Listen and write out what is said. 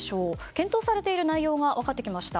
検討されている内容が分かってきました。